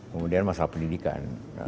kemudian masalah pendidikan